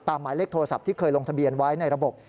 หมายเลขโทรศัพท์ที่เคยลงทะเบียนไว้ในระบบ